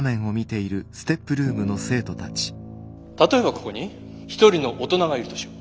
例えばここに１人の大人がいるとしよう。